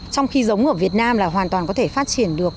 trong khi giống ở việt nam là hoàn toàn có thể phát triển được